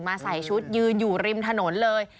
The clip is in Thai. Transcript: ใส่ชุดยืนอยู่ริมถนนเลย